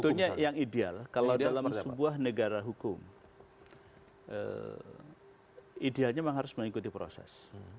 sebetulnya yang ideal kalau dalam sebuah negara hukum idealnya memang harus mengikuti proses